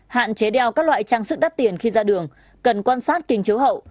hạn chế đeo các loại trang sức đắt tiền khi ra đường cần quan sát kinh tế hậu